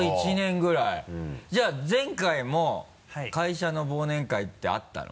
じゃあ前回も会社の忘年会ってあったの？